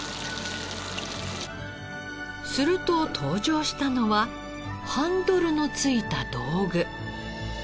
すると登場したのはハンドルの付いた道具。